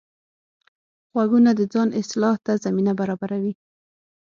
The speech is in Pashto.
غوږونه د ځان اصلاح ته زمینه برابروي